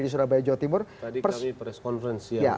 di surabaya jawa timur tadi kami press conference ya